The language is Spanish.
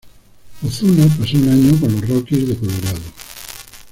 Ozuna pasó un año con los Rockies de Colorado.